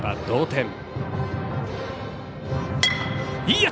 同点！